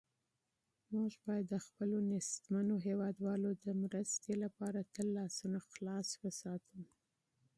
موږ باید د خپلو غریبو هېوادوالو د مرستې لپاره تل لاسونه خلاص وساتو.